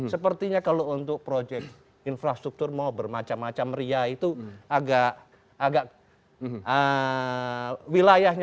sepertinya kalau untuk proyek infrastruktur mau bermacam macam ria itu agak wilayahnya